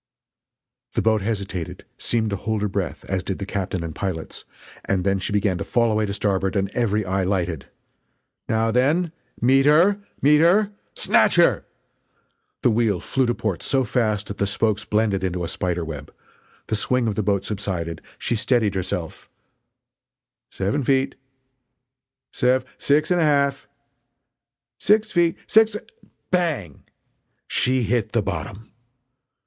The boat hesitated seemed to hold her breath, as did the captain and pilots and then she began to fall away to starboard and every eye lighted: "Now then! meet her! meet her! Snatch her!" The wheel flew to port so fast that the spokes blended into a spider web the swing of the boat subsided she steadied herself "Seven feet!" "Sev six and a half!" "Six feet! Six f " Bang! She hit the bottom!